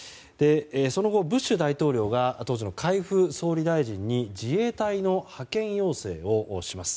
その後、ブッシュ大統領が当時の海部総理大臣に自衛隊の派遣要請をします。